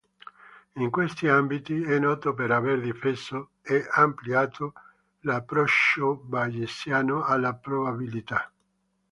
In questi ambiti è noto per aver difeso e ampliato l'approccio bayesiano alla probabilità.